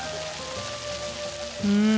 うん。